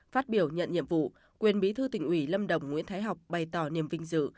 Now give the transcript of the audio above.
phát biểu nhận nhiệm vụ quyền bí thư tỉnh ủy lâm đồng nguyễn thái học bày tỏ niềm vinh dự